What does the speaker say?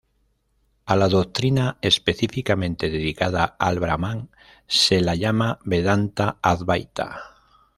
A la doctrina específicamente dedicada al Brahman se la llama "vedanta advaita".